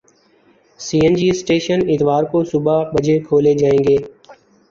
سی N G station اتوار کو صبح بجے کھولے جائیں گے